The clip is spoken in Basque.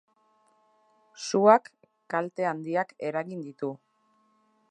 Suak kalte handiak eragin ditu.